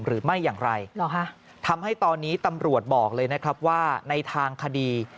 หรือไม่อย่างไรทำให้ตอนนี้ตำรวจบอกเลยนะครับว่าในทางคดี